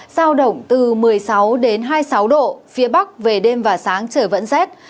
giao động từ một mươi sáu đến hai mươi sáu độ phía bắc về đêm và sáng trời vẫn rét